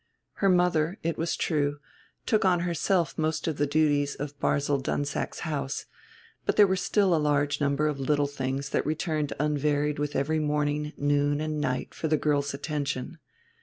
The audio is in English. Her mother, it was true, took on herself most of the duties of Barzil Dunsack's house; but there were still a large number of little things that returned unvaried with every morning, noon and night for the girl's attention.